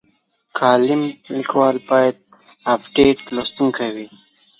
کالم لیکوال باید ابډیټ لوستونکی وي.